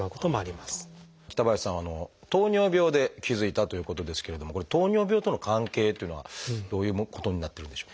北林さんは糖尿病で気付いたということですけれどもこれ糖尿病との関係っていうのはどういうことになってるんでしょう？